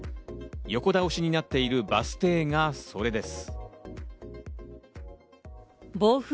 横倒しになっているバス停がそれです。